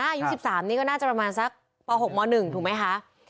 อายุ๑๓นี่ก็น่าจะประมาณสักป๖ม๑ถูกไหมคะ